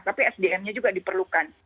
tapi sdm nya juga diperlukan